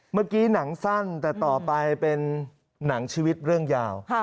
เมื่อกี้หนังสั้นแต่ต่อไปเป็นหนังชีวิตเรื่องยาว